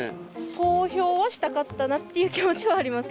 投票はしたかったなという気持ちはあります。